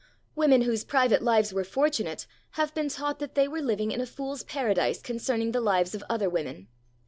Women, whose private lives were fortunate, have been taught that they were living in a fool's paradise concerning the lives of other women.